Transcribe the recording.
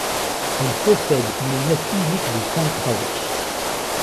Elle possède une nef unique de cinq travées.